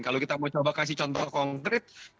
kalau kita mau coba kasih contoh konkret